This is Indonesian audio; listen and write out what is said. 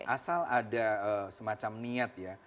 asal ada semacam niat ya